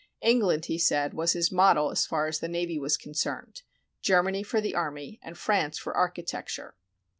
England, he said, was his model as far as the navy was concerned, Germany for the army, and France for architecture.